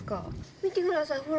見てください、ほら。